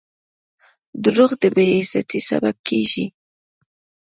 • دروغ د بې عزتۍ سبب کیږي.